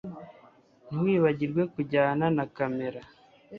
Ntiwibagirwe kujyana na kamera